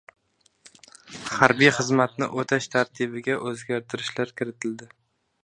Harbiy xizmatni o‘tash tartibiga o‘gartirishlar kiritildi